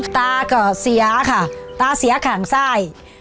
ตาก็เสียค่ะตาเสียขางซ้าย